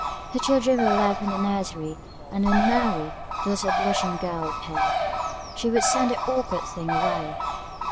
Her children were left in the nursery; and when Mary, the little blushing girl, appeared, she would send the awkward thing away.